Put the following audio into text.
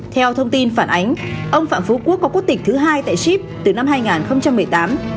theo thông tin phản ánh ông phạm phú quốc có quốc tịch thứ hai tại ship từ năm hai nghìn một mươi tám